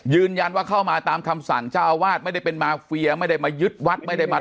ยืนยันว่าเข้ามาตามคำสั่งเจ้าอาวาสไม่ได้เป็นมาเฟียไม่ได้มายึดวัดไม่ได้มา